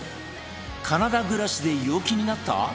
カナダ暮らしで陽気になった？